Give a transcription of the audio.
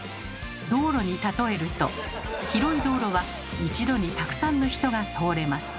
道路に例えると広い道路は一度にたくさんの人が通れます。